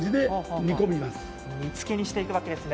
煮つけにしていくわけですね。